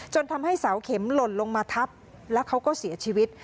ทำให้เสาเข็มหล่นลงมาทับแล้วเขาก็เสียชีวิต